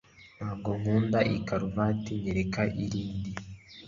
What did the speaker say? Ntabwo nkunda iyi karuvati Nyereka irindi